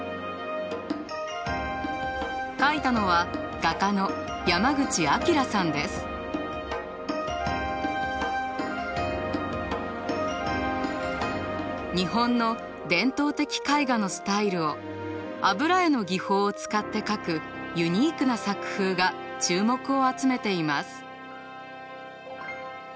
描いたのは日本の伝統的絵画のスタイルを油絵の技法を使って描くユニークな作風が注目を集めています。